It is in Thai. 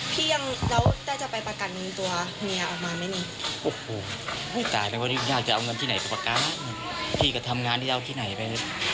พี่ยังแล้วได้จะไปประกันตัวเมียออกมาไหมนี่โอ้โหตายไปวันนี้ญาติจะเอาเงินที่ไหนไปประกันพี่ก็ทำงานที่จะเอาที่ไหนไป